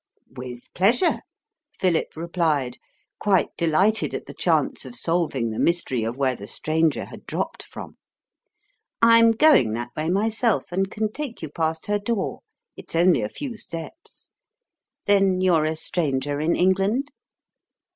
"With pleasure," Philip replied, quite delighted at the chance of solving the mystery of where the stranger had dropped from. "I'm going that way myself, and can take you past her door. It's only a few steps. Then you're a stranger in England?"